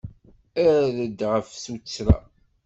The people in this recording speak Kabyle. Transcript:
Err-d ɣef tuttra.